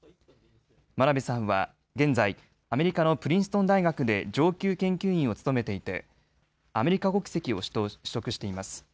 真鍋さんは現在、アメリカのプリンストン大学で上級研究員を務めていてアメリカ国籍を取得しています。